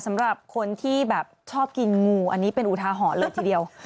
สำหรับคนที่แบบชอบกินงูอันนี้เป็นอุทาหรณ์เลยทีเดียว